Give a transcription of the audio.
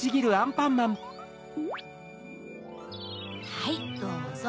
はいどうぞ。